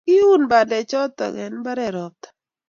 kiinun bandek choto eng' mbaret robta